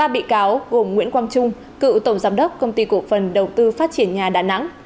ba bị cáo gồm nguyễn quang trung cựu tổng giám đốc công ty cổ phần đầu tư phát triển nhà đà nẵng